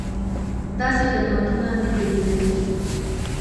داسې خدمتونه نه دي لیدلي.